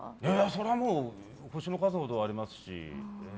それはもう星の数ほどありますし。